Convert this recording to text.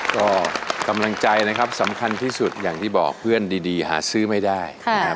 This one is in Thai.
ก็กำลังใจนะครับสำคัญที่สุดอย่างที่บอกเพื่อนดีหาซื้อไม่ได้นะครับ